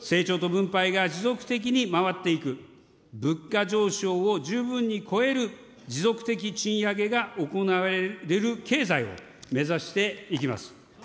成長と分配が持続的に回っていく、物価上昇を十分に超える持続的賃上げが行われる経済を目指していきます。